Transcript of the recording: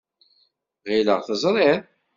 Ɣileɣ teẓriḍ.